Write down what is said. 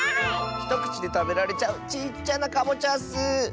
ひとくちでたべられちゃうちっちゃなかぼちゃッス！